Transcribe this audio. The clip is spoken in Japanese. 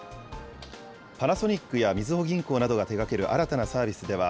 パナソニックやみずほ銀行などが手がける新たなサービスでは、